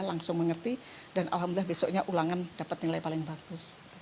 langsung mengerti dan alhamdulillah besoknya ulangan dapat nilai paling bagus